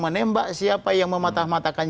menembak siapa yang mematah matakan